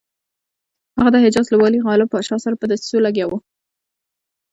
هغه د حجاز له والي غالب پاشا سره په دسیسو لګیا وو.